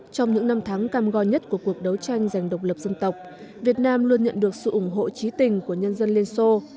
trong những năm tháng cam go nhất của cuộc đấu tranh giành độc lập dân tộc việt nam luôn nhận được sự ủng hộ trí tình của nhân dân liên xô